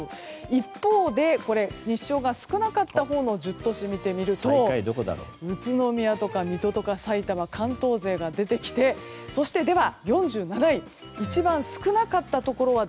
一方で、日照が少なかったほうの１０都市を見てみると宇都宮とか水戸とかさいたま関東勢が出てきてそして、４７位一番少なかったところは。